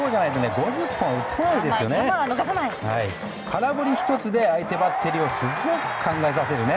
空振り１つで相手バッテリーをすごく考えさせる。